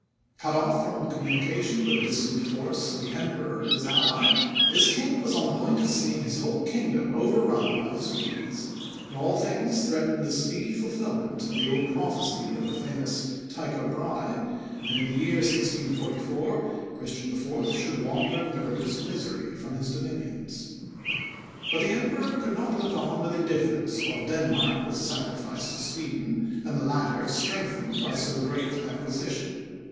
Cut off from all communication with the distant force of the Emperor, his ally, this king was on the point of seeing his whole kingdom overrun by the Swedes; and all things threatened the speedy fulfilment of the old prophecy of the famous Tycho Brahe, that in the year 1644, Christian IV. should wander in the greatest misery from his dominions. But the Emperor could not look on with indifference, while Denmark was sacrificed to Sweden, and the latter strengthened by so great an acquisition.